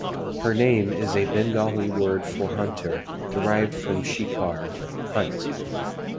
Her name is a Bengali word for hunter, derived from "shikar," "hunt.